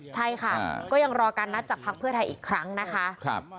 ใช่ค่ะก็ยังรอการนัดจากพักเพื่อไทยอีกครั้งนะคะ